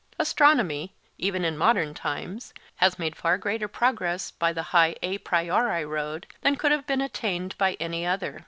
Astronomy, even in modern times, has made far greater progress by the high a priori road than could have been attained by any other.